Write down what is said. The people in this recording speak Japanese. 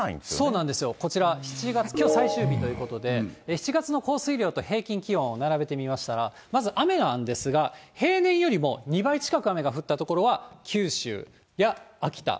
そうなんですよ、こちら、７月、きょう最終日ということで、７月の降水量と平均気温を並べて見ましたら、まず雨なんですが、平年よりも２倍近く雨が降った所は九州や秋田。